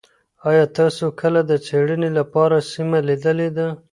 ایا تاسو کله د څېړني لپاره سیمه لیدلې ده؟